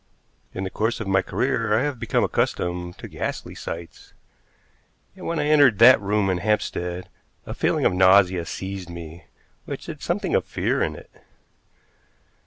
In the course of my career I have become accustomed to ghastly sights, yet when I entered that room in Hampstead a feeling of nausea seized me which had something of fear in it.